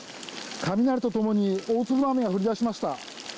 雷と共に大粒の雨が降り出しました。